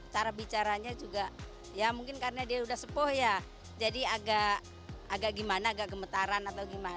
cara bicaranya juga ya mungkin karena dia udah sepoh ya jadi agak gimana agak gemetaran atau gimana